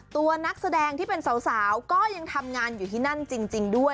ตัวนักแสดงที่เป็นสาวก็ยังทำงานอยู่ที่นั่นจริงด้วย